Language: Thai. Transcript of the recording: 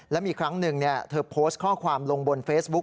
และมีครั้งหนึ่งเธอโพสต์ข้อความลงบนเฟซบุ๊ค